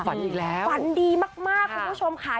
ฝันดีมากคุณผู้ชมค่ะ